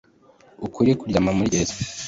Ukuri kuryama muri gereza